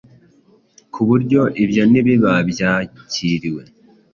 ku buryo ibyo nibiba byakiriwe,